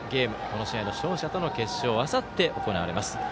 この試合の勝者との決勝があさって行われます。